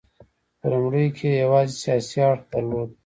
په لومړیو کې یې یوازې سیاسي اړخ درلود.